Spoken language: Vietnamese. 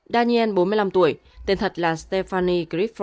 daniel bốn mươi năm tuổi